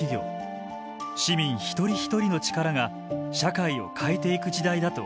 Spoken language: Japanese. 市民一人一人の力が社会を変えていく時代だと考えています。